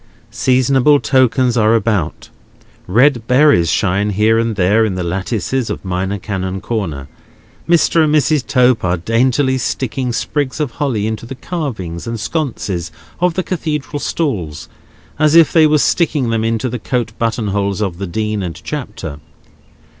Seasonable tokens are about. Red berries shine here and there in the lattices of Minor Canon Corner; Mr. and Mrs. Tope are daintily sticking sprigs of holly into the carvings and sconces of the Cathedral stalls, as if they were sticking them into the coat button holes of the Dean and Chapter.